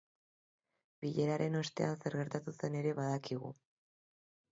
Bileraren ostean zer gertatu zen ere badakigu.